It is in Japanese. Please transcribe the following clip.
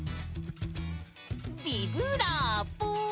ビブラーボ！